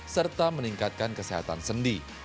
serta meningkatkan kesehatan sendi